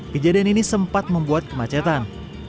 kejadian ini sempat membuat kemacetan